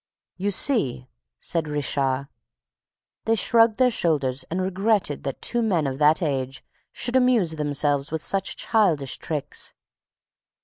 "You see!" said Richard. They shrugged their shoulders and regretted that two men of that age should amuse themselves with such childish tricks.